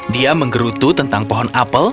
dia menggerutu tentang pohon apel